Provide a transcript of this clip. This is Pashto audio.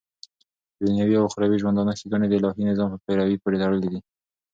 ددنيوي او اخروي ژوندانه ښيګڼي دالهي نظام په پيروۍ پوري تړلي دي